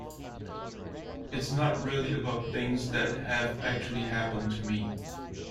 It's not really about things that have actually happened to me.